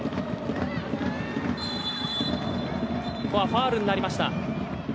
ファウルになりました。